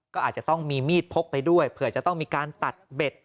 ก็อาจจะต้องมีมีดพกไปด้วยเผื่อจะต้องมีการตัดเบ็ด